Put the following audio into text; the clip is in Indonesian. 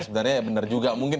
sebenarnya benar juga mungkin